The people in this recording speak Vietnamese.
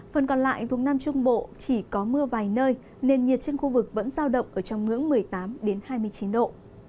phần còn lại vùng nam trung bộ chỉ có mưa vài nơi nền nhiệt trên khu vực vẫn giao động ở trong ngưỡng một mươi tám hai mươi chín độ